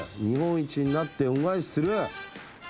「日本一になって恩返しする！！」